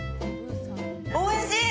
おいしい！